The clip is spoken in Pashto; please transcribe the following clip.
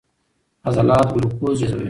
عضلات ګلوکوز جذبوي.